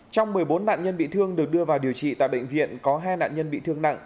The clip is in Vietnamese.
trong một mươi bốn nạn nhân bị thương được đưa vào điều trị tại bệnh viện có hai nạn nhân bị thương nặng